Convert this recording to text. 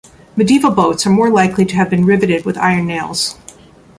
Medieval boats are more likely to have been riveted with iron nails.